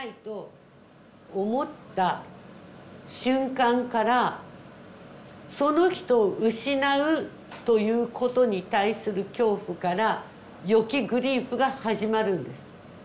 思った瞬間からその人を失うということに対する恐怖から予期グリーフが始まるんです。